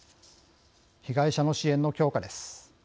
被害者の支援の強化です。